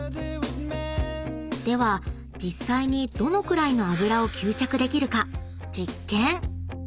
［では実際にどのくらいの油を吸着できるか実験］